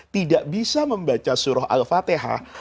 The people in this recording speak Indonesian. tidak bisa membaca surah al fatihah